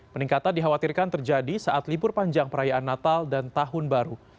peningkatan dikhawatirkan terjadi saat libur panjang perayaan natal dan tahun baru